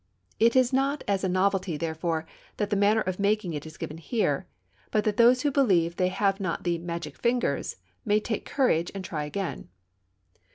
It is not as a novelty, therefore, that the manner of making it is given here, but that those who believe they have not the "magic fingers" may take courage and try again.